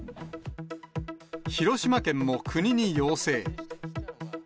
広島県も国に要請。